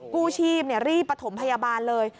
กู้ชีพรีบประถมพยาบาลเลย